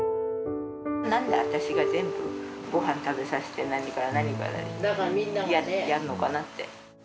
なんで私が全部ごはん食べさせて、何から何までやるのかなって。